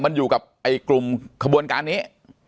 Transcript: มันอยู่กับไอ้กลุ่มขบวนการนี้